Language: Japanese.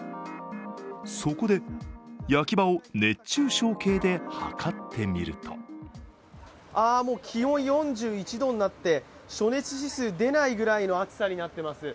そこで焼き場を熱中症計で計ってみるとあ、もう気温４１度になって暑熱指数出ないレベルになっています。